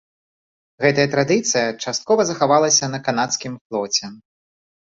Гэтая традыцыя часткова захавалася на канадскім флоце.